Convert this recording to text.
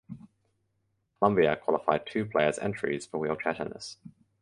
Colombia qualified two players entries for wheelchair tennis.